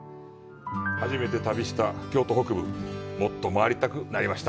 初めて旅した京都北部、もっと回りたくなりました。